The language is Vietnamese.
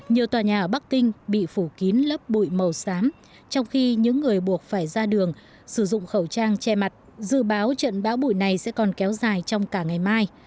nhiều tòa nhà ở bắc kinh bị phủ kín lớp bụi màu xám trong khi những người buộc phải ra đường sử dụng khẩu trang che mặt dự báo trận bão bụi này sẽ còn kéo dài trong cả ngày mai